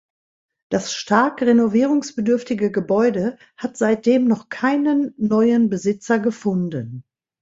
Das stark renovierungsbedürftige Gebäude hat seitdem noch keinen neuen Besitzer gefunden.